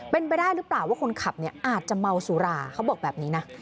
เป็นไปได้หรือเปล่าว่าคนขับเนี่ยอาจจะเมาสุราเขาบอกแบบนี้นะ